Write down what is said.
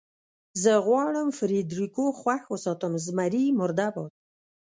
زه غواړم فرېډرېکو خوښ وساتم، زمري مرده باد.